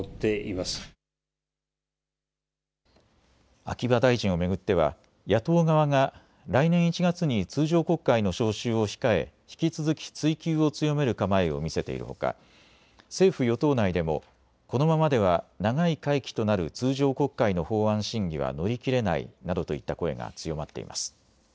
秋葉大臣を巡っては野党側が来年１月に通常国会の召集を控え引き続き追及を強める構えを見せているほか政府与党内でもこのままでは長い会期となる通常国会の法案審議は乗り切れないなどといった声が強まっています。